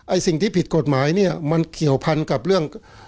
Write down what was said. สิ่งที่ผิดกฎหมายเนี่ยมันเกี่ยวพันกับเรื่อง